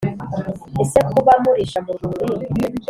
Ese kuba murisha mu rwuri